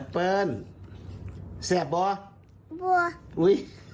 บัว